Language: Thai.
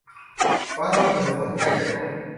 ฟ้าร้องเหมือนฝนใกล้จะตก